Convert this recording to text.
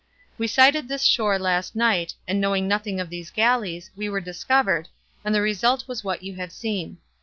We sighted this shore last night, and knowing nothing of these galleys, we were discovered, and the result was what you have seen.